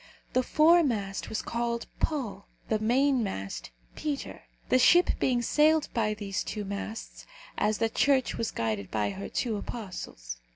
The foremast was called Paul, the mainmast Peter the ship being sailed by these two masts, as the Church was guided by her two apostles.